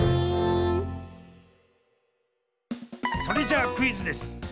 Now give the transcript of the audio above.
それじゃあクイズです。